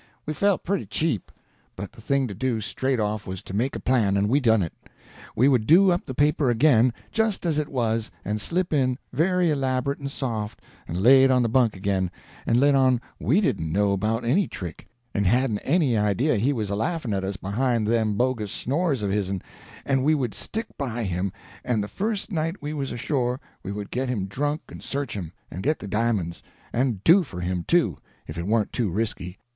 "We felt pretty cheap. But the thing to do, straight off, was to make a plan; and we done it. We would do up the paper again, just as it was, and slip in, very elaborate and soft, and lay it on the bunk again, and let on we didn't know about any trick, and hadn't any idea he was a laughing at us behind them bogus snores of his'n; and we would stick by him, and the first night we was ashore we would get him drunk and search him, and get the di'monds; and do for him, too, if it warn't too risky.